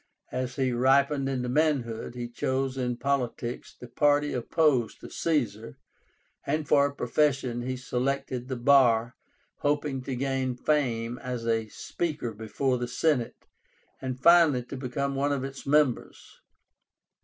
As he ripened into manhood, he chose in politics the party opposed to Caesar, and for a profession he selected the bar, hoping to gain fame as a speaker before the Senate, and finally to become one of its members.